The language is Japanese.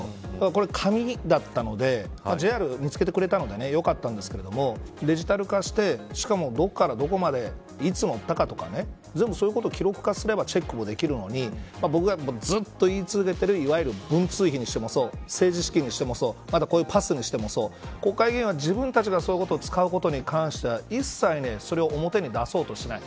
これ紙だったのでＪＲが見つけてくれたのでよかったんですがデジタル化して、しかもどこからどこまでいつ乗ったかっていうのを全部、記録化すればチェックもできるのに僕がずっと言い続けている文通費にしてもそう政治資金にしてもそうこういうパスにしてもそう国会議員は自分たちがそういう使うことに関しては一切それを表に出そうとしない。